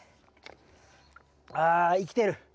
あ生きてる。